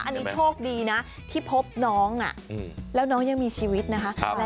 อันนี้โชคดีนะที่พบน้องแล้วน้องยังมีชีวิตนะคะ